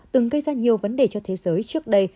từng gây ra nhiều vấn đề cho thế giới trước đây